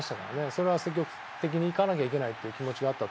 それは積極的にいかなきゃいけないっていう気持ちがあったと。